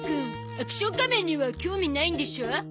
『アクション仮面』には興味ないんでしょ？